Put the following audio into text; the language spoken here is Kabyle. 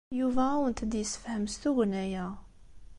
Yuba ad awent-d-yessefhem s tugna-a.